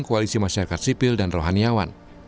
koalisi masyarakat sipil dan rohaniawan